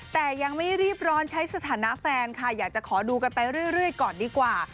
แต่ยังไม่รีบร้อนใช้สถานะแฟนค่ะอยากจะขอดูกันไปเรื่อยก่อนดีกว่า